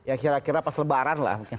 ya kira kira pas lebaran lah mungkin